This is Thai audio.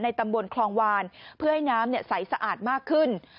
ตำบลคลองวานเพื่อให้น้ำใสสะอาดมากขึ้น